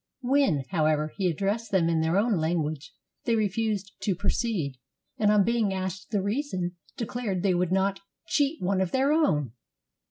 When, however, he addressed them in their own language, they refused to proceed, and on being asked the reason, declared they would not "cheat one of their own."